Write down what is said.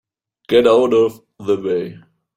Get out of the way!